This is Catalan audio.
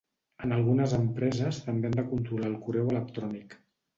En algunes empreses també han de controlar el correu electrònic.